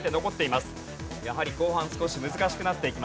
やはり後半少し難しくなっていきます。